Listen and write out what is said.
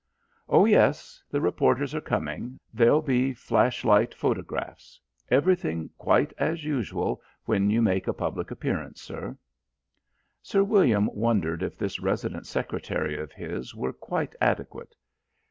"Oh, yes. The reporters are coming. There'll be flash light photographs. Everything quite as usual when you make a public appearance, sir." Sir William wondered if this resident secretary of his were quite adequate.